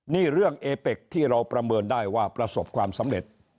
นี่เรื่องเอเป็กที่เราประเมินได้ว่าประสบความสำเร็จ